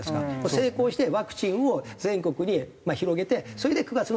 成功してワクチンを全国に広げてそれで９月の総選挙。